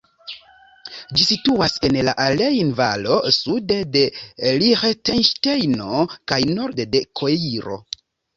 Ĝi situas en la Rejnvalo sude de Liĥtenŝtejno kaj norde de Koiro.